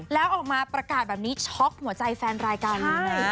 แล้วออกมาประกาศแบบนี้ช็อกหัวใจแฟนรายการนี้เลย